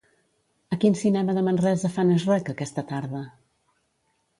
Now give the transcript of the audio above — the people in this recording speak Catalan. A quin cinema de Manresa fan "Shrek" aquesta tarda?